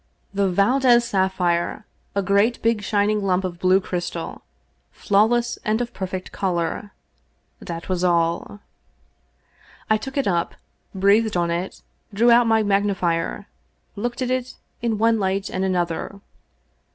The Valdez sapphire I A great big shining lump of blue crystal — flawless and of perfect color — ^that was all. I took it up, breathed on it, drew out my magnifier, looked at it in one light and another.